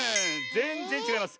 ぜんぜんちがいます。